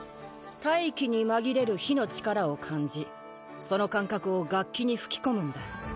大気に紛れる火の力を感じその感覚を楽器に吹き込むんだ。